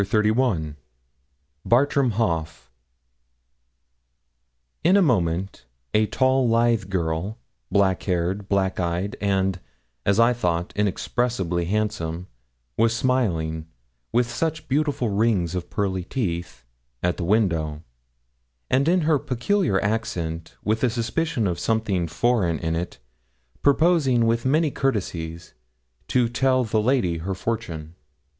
CHAPTER XXXI BARTRAM HAUGH In a moment a tall, lithe girl, black haired, black eyed, and, as I thought, inexpressibly handsome, was smiling, with such beautiful rings of pearly teeth, at the window; and in her peculiar accent, with a suspicion of something foreign in it, proposing with many courtesies to tell the lady her fortune.